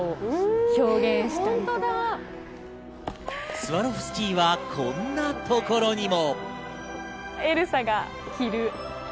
スワロフスキーはこんなところにも。